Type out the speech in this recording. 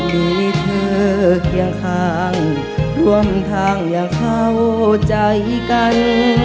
มีเธอเคียงข้างร่วมทางอย่างเข้าใจกัน